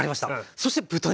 そして豚肉。